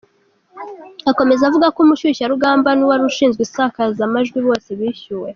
Akomeza avuga ko umushyushyarugamba n’uwari ushinzwe isakazamajwi bose bishyuwe.